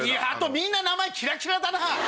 みんな名前キラキラだな。